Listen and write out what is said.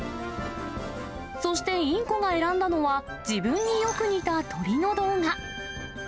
そしてインコが選んだのは、自分によく似た鳥の動画。